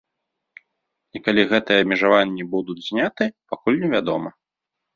І калі гэтыя абмежаванні будуць знятыя, пакуль не вядома.